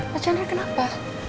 mas chandra kenapa